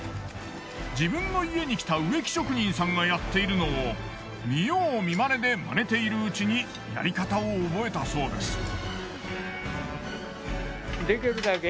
自分の家に来た植木職人さんがやっているのを見よう見まねでまねているうちにやり方を覚えたそうです。